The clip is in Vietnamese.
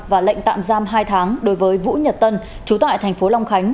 và lệnh tạm giam hai tháng đối với vũ nhật tân chú tại tp long khánh